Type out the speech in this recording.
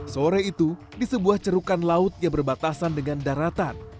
sore itu di sebuah cerukan laut yang berbatasan dengan daratan